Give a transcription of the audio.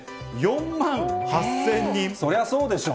そりゃそうでしょう。